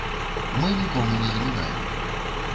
Мы нікому не замінаем.